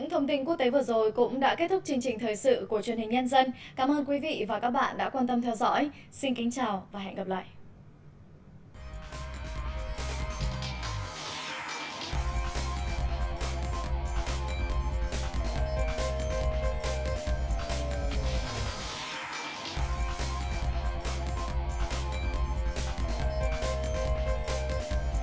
hãy đăng ký kênh để ủng hộ kênh của mình nhé